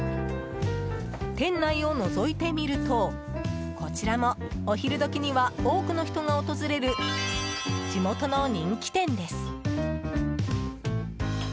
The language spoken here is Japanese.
店内をのぞいてみるとこちらもお昼時には多くの人が訪れる地元の人気店です。